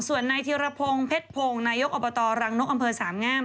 ส่วนนายธิรพงศ์เพชรพงศ์นายกอบตรังนกอำเภอสามงาม